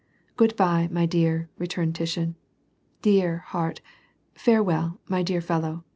"Good by, my dear," returned Tushin, "dear heart, fare well, my dear fellow